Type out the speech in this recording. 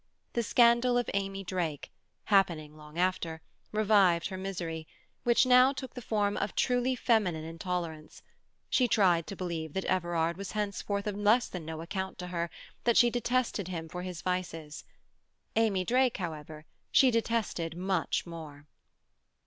The scandal of Amy Drake, happening long after, revived her misery, which now took the form of truly feminine intolerance; she tried to believe that Everard was henceforth of less than no account to her, that she detested him for his vices. Amy Drake, however, she detested much more.